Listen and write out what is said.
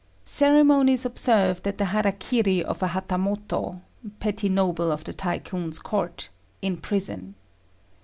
_Ceremonies observed at the "hara kiri" of a Hatamoto (petty noble of the Tycoon's court) in prison.